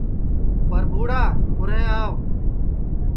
پربھوڑا اُرھیں آو